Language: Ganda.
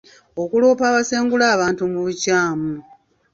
Okuloopa abasengula abantu mu bukyamu.